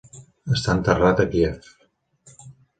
Està enterrat a Kíev.